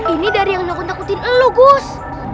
ini dari yang nyokong takutin elo gus